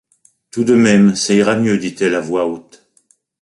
Tout de même, ça ira mieux, dit-elle à voix haute.